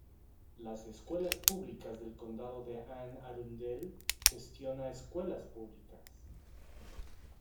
Las Escuelas Públicas del Condado de Anne Arundel gestiona escuelas públicas.